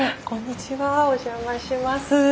こんにちはお邪魔します。